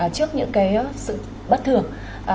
trước những cái sự bất thường